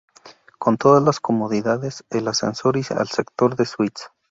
Con todas las comodidades y ascensor al sector de suites.